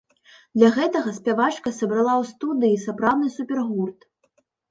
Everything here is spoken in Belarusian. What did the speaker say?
Для гэтага спявачка сабрала ў студыі сапраўдны супергурт.